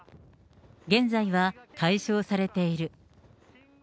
現在は解消されている。